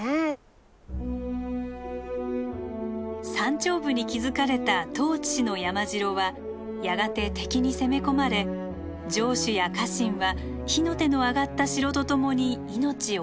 山頂部に築かれた十市氏の山城はやがて敵に攻め込まれ城主や家臣は火の手のあがった城とともに命を落とします。